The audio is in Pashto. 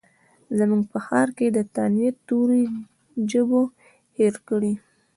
زموږ په ښارکې د تانیث توري ژبو هیر کړي